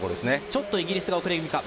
ちょっとイギリスが遅れぎみか。